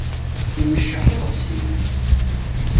Imeččeḥ iḍebsiyen.